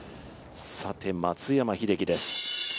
さて松山英樹です。